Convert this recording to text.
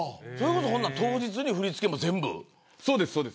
当日に振り付けも全部。